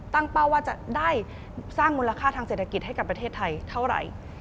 เป้าว่าจะได้สร้างมูลค่าทางเศรษฐกิจให้กับประเทศไทยเท่าไหร่